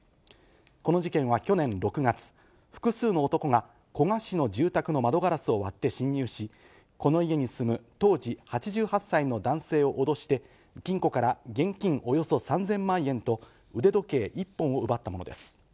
この事件は去年６月、複数の男が古河市の住宅の窓ガラスを割って侵入し、この家に住む当時８８歳の男性を脅して、金庫から現金およそ３０００万円と、腕時計１本を奪ったものです。